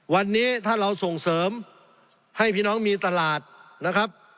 วันนี้ถ้าเราส่งเสริมให้พี่น้องมีตลาดนะครับ